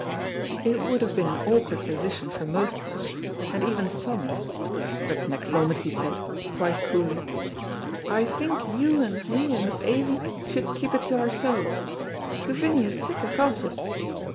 It would have been an awkward position for most boys, and even Tommy but next moment he said, quite coolly: "I think you and me and Miss Ailie should keep it to oursels, Gavinia's sic a gossip."